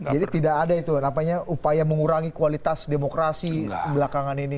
jadi tidak ada itu upaya mengurangi kualitas demokrasi belakangan ini